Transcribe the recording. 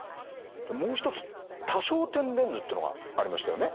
もう一つ多焦点レンズっていうのがありましたよね。